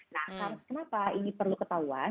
nah kenapa ini perlu ketahuan